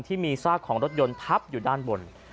ที่มีซากของรถยนต์ทับอยู่ด้านบน